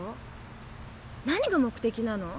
何が目的なの？